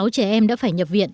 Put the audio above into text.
sáu trẻ em đã phải nhập viện